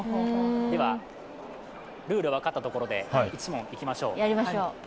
では、ルールが分かったところで１問、やりましょう。